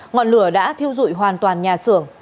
ngọn lửa đã thiêu dụi hoàn toàn nhà sườn